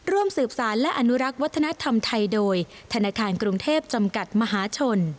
ร่วมสืบสารและอนุรักษ์วัฒนธรรมไทยโดยธนาคารกรุงเทพจำกัดมหาชน